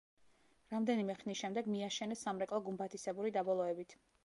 რამდენიმე ხნის შემდეგ მიაშენეს სამრეკლო გუმბათისებური დაბოლოებით.